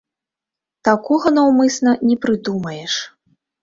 Такога наўмысна не прыдумаеш.